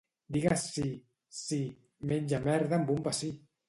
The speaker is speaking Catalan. —Digues sí. —Sí. —Menja merda amb un bací!